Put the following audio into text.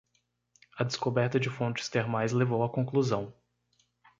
A descoberta de fontes termais levou à conclusão